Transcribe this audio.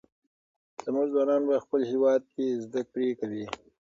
زموږ ځوانان به په خپل هېواد کې زده کړې کوي.